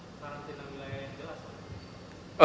karantina wilayah yang jelas